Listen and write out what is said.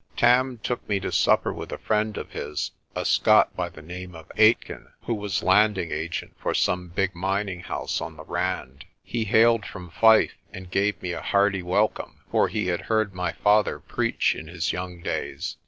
Tam took me to supper with a friend of his, a Scot by the name of Aitken, who was landing agent for some big mining house on the Rand. He hailed from Fife and gave me a hearty welcome, for he had heard my father preach in his young days.